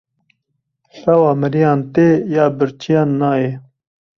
Xewa miriyan tê, ya birçiyan nayê.